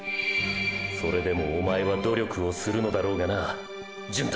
それでもおまえは“努力”をするのだろうがな純太！！